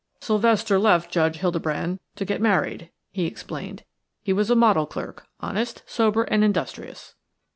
"Sylvester left Judge Hildebrand to get married," he explained. "He was a model clerk; honest, sober, and industrious."